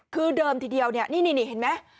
คือเดิมทีเดียวเนี่ยนี่เห็นไหม